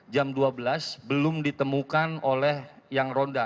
jam dua belas belum ditemukan oleh yang roda